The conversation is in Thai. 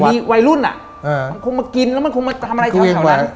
มีวัยรุ่นอ่ะมันคงมากินแล้วมันคงมาทำอะไรแถวนั้น